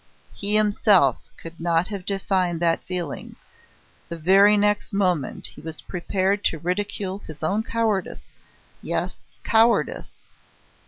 He himself could not have defined that feeling: the very next moment he was prepared to ridicule his own cowardice yes, cowardice!